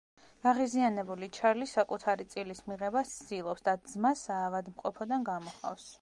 გაღიზიანებული ჩარლი საკუთარი წილის მიღებას ცდილობს და ძმა საავადმყოფოდან გამოჰყავს.